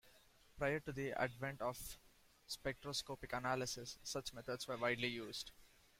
Prior to the advent of spectroscopic analysis, such methods were widely used.